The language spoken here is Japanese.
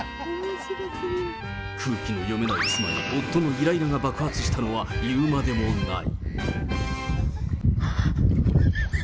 空気の読めない妻に、夫のいらいらが爆発したのは言うまでもない。